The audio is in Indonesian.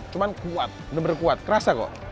cuman kuat bener bener kuat kerasa kok